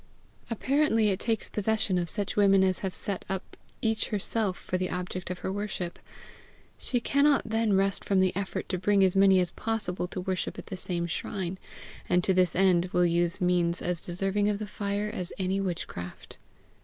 Apparently it takes possession of such women as have set up each herself for the object of her worship: she cannot then rest from the effort to bring as many as possible to worship at the same shrine; and to this end will use means as deserving of the fire as any witchcraft.